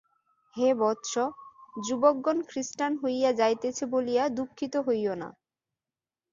হে বৎস, যুবকগণ খ্রীষ্টান হইয়া যাইতেছে বলিয়া দুঃখিত হইও না।